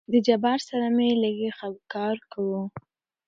د جبار سره مې لېږ کار وو.